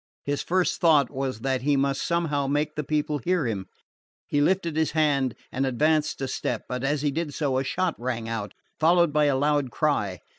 His first thought was that he must somehow make the people hear him. He lifted his hand and advanced a step; but as he did so a shot rang out, followed by a loud cry.